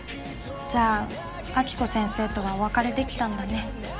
じゃあ暁子先生とはお別れできたんだね？